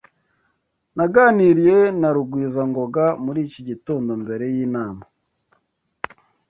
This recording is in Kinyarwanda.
Naganiriye na Rugwizangoga muri iki gitondo mbere yinama.